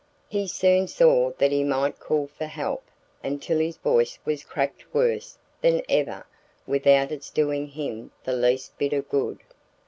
He soon saw that he might call for help until his voice was cracked worse than ever without its doing him the least bit of good.